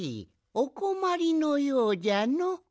おこまりのようじゃの。